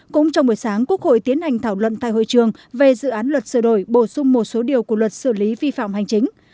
cũng trong buổi sáng quốc hội tiến hành thảo luận tại hội trường về dự án luật sửa đổi bổ sung một số điều của luật xử lý vi phạm hành chính